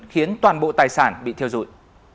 khiến toàn bộ tài sản bị thiêu dụi